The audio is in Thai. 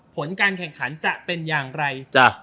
ผลการแข่งขันจะเป็นอย่างไร